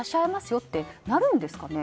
よってなるんですかね。